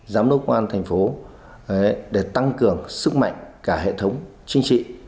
giám đốc quan thành phố để tăng cường sức mạnh cả hệ thống chính trị